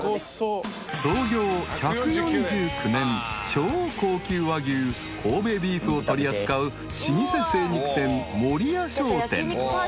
［超高級和牛神戸ビーフを取り扱う老舗精肉店森谷商店］